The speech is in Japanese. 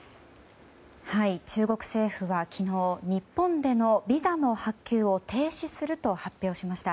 中国政府は昨日日本でのビザの発給を停止すると発表しました。